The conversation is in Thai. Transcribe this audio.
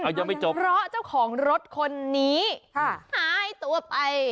เพราะเจ้าของรถคนนี้หายตัวไป